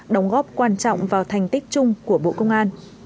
đóng góp quan trọng vào thành tích chung của bộ công an